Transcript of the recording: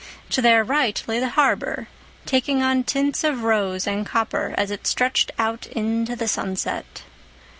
To their right lay the harbor, taking on tints of rose and copper as it stretched out into the sunset.